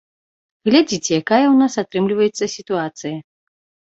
Глядзіце, якая ў нас атрымліваецца сітуацыя.